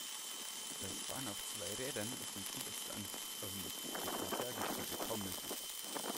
Das Fahren auf zwei Rädern ist ein cooler Stunt, aber mit Differentialgetriebe kaum möglich.